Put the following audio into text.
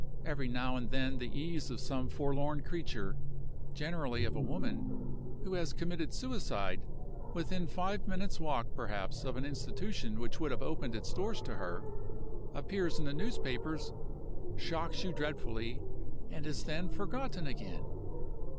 Every now and then the ease of some forlorn creature (generally of a woman) who has committed suicide, within five minutes' walk, perhaps, of an institution which would have opened its doors to her, appears in the newspapers, shocks you dreadfully, and is then forgotten again.